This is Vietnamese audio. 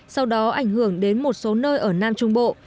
sau đó ảnh hưởng đến một số nơi ở nam trung bộ